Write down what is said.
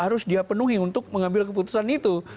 harus dia penuhi untuk mengambil keputusan itu